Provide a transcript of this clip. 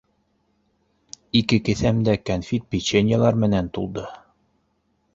Ике кеҫәм дә кәнфит-печеньелар менән тулды.